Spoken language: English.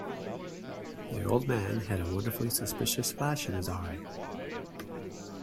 The old man had a wonderfully suspicious flash in his eye.